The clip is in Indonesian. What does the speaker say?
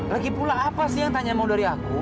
lagi pula apa sih yang tanya mau dari aku